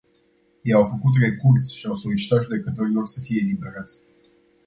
Ei au făcut recurs și au solicitat judecătorilor să fie eliberați.